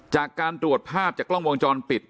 จากการตรวจภาพจากกล้องวงจรปิด